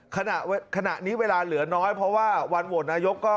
ขนาดนี้เวลาเหลือน้อยเพราะวันโหวตนายก